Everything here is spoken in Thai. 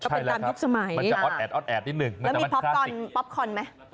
ใช่แหละครับมันจะออดแอดนิดหนึ่งมันจะมันคลาสิกแล้วมีพอปคอนไหม